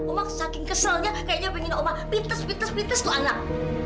oma saking keselnya kayaknya pengen oma pites pites pites tuh anak